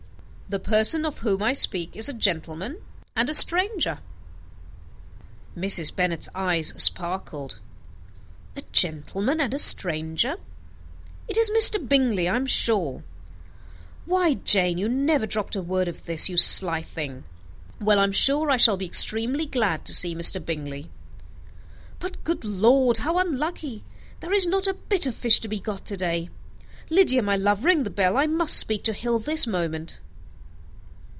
"The person of whom I speak is a gentleman and a stranger." Mrs. Bennet's eyes sparkled. "A gentleman and a stranger! It is Mr. Bingley, I am sure. Why, Jane you never dropped a word of this you sly thing! Well, I am sure I shall be extremely glad to see Mr. Bingley. But good Lord! how unlucky! there is not a bit of fish to be got to day. Lydia, my love, ring the bell. I must speak to Hill this moment."